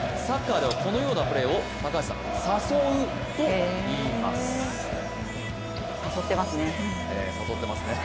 サッカーではこのようなプレーを誘うといいます。